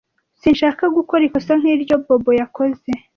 Sinshaka gukora ikosa nk'iryo Bobo yakoze.